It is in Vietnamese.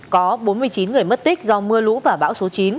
có bốn mươi chín người mất tích do mưa lũ và bão số chín